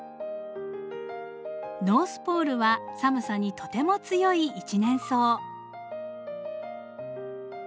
ノースポールは寒さにとても強い一年草。